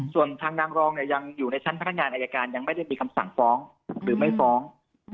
ส่วนทางนางรองเนี่ยยังอยู่ในชั้นพนักงานอายการยังไม่ได้มีคำสั่งฟ้องหรือไม่ฟ้อง